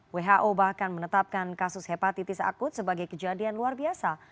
who bahkan menetapkan kasus hepatitis akut sebagai kejadian luar biasa